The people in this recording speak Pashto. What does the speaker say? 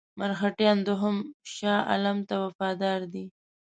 مرهټیان دوهم شاه عالم ته وفادار دي.